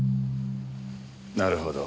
なるほど。